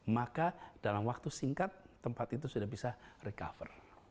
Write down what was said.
maka dalam waktu singkat tempat itu sudah bisa recover